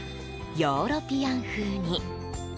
ヨーロピアン風に。